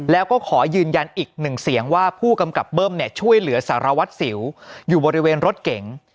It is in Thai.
แล้วก็ขอยืนยันอีกหนึ่งเสียงว่าผู้กำกับเบิ้มเนี่ยช่วยเหลือสารวัตรสิวอยู่บริเวณรถเก๋ง